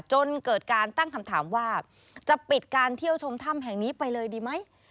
จนเกิดการตั้งคำถามว่าจะปิดการเที่ยวชมถ้ำแห่งนี้ไปเลยดีไหม